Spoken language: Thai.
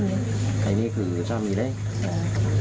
คลินี่คือสามีแรก